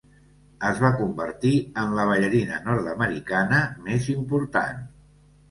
Es va convertir en la ballarina nord-americana més important.